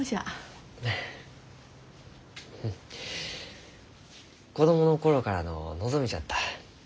うん子供の頃からの望みじゃった。